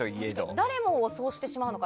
誰しもそうしてしまうのかな。